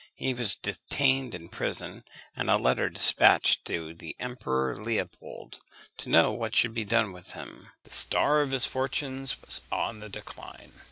He was detained in prison, and a letter despatched to the Emperor Leopold, to know what should be done with him. The star of his fortunes was on the decline.